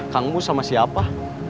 kamu sama siapa